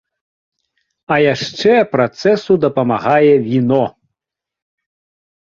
А яшчэ працэсу дапамагае віно!